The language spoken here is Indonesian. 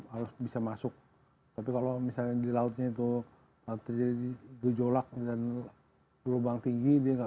harus bisa masuk tapi kalau misalnya di lautnya itu terjadi gejolak dan gelombang tinggi dia nggak